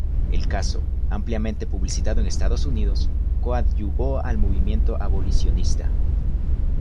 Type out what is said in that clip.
El caso, ampliamente publicitado en Estados Unidos, coadyuvó al movimiento abolicionista.